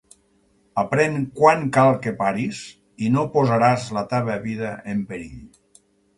Aprèn quan cal que paris i no posaràs la teva vida en perill.